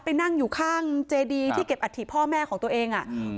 ไปนั่งอยู่ข้างเจดีที่เก็บอัฐิพ่อแม่ของตัวเองอ่ะอืม